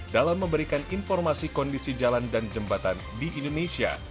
dalam memberikan informasi kondisi jalan dan jembatan di indonesia